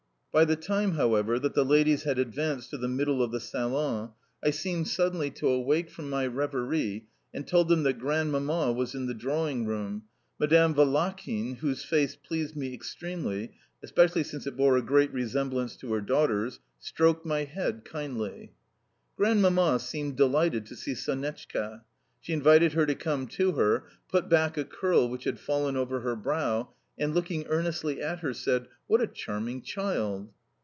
BY the time, however, that the ladies had advanced to the middle of the salon I seemed suddenly to awake from my reverie and told them that Grandmamma was in the drawing room, Madame Valakhin, whose face pleased me extremely (especially since it bore a great resemblance to her daughter's), stroked my head kindly. Grandmamma seemed delighted to see Sonetchka. She invited her to come to her, put back a curl which had fallen over her brow, and looking earnestly at her said, "What a charming child!"